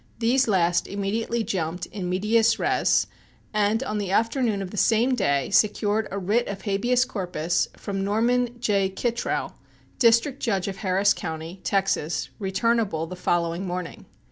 These last immediately jumped in medias res and on the afternoon of the same day secured a writ of habeas corpus from Norman J. Kitrell, District Judge of Harris County, Texas, returnable the following morning.